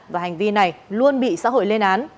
và hành vi này luôn bị xã hội lên án